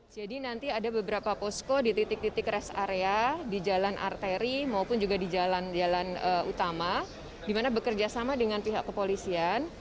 jadi nanti ada beberapa posko di titik titik rest area di jalan arteri maupun juga di jalan utama di mana bekerjasama dengan pihak kepolisian